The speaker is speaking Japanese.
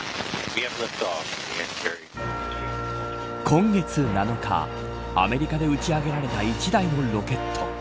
今月７日アメリカで打ち上げられた１台のロケット。